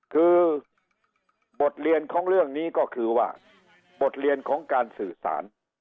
คือบทเรียนของเรื่องนี้ก็คือว่าบทเรียนของการสื่อสาร